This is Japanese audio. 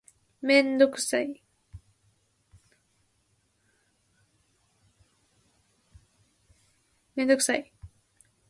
めんどくさい